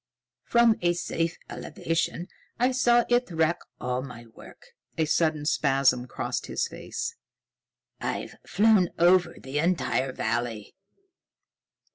From a safe elevation I saw it wreck all my work." A sudden spasm crossed his face. "I've flown over the entire valley.